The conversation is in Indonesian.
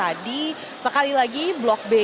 jadi sekali lagi blok b ini